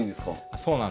そうなんです。